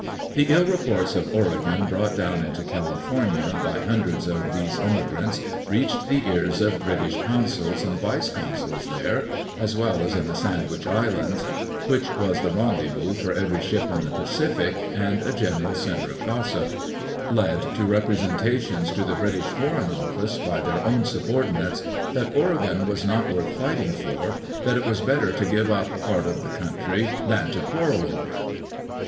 The ill reports of Oregon brought down into California by hundreds of these immigrants, reaching the ears of British consuls and vice consuls there, as well as in the Sandwich Islands — which was the rendezvous for every ship in the Pacific and a general center of gossip — led to representations to the British Foreign Office by their own subordinates that Oregon was not worth fighting for, that it was better to give up part of the country than to quarrel over it.